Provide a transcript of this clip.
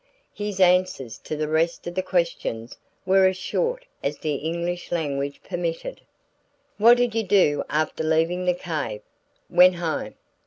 His answers to the rest of the questions were as short as the English language permitted. "What did you do after leaving the cave?" "Went home."